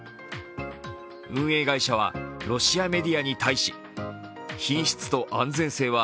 運営会社はロシアメディアに対し品質と安全性は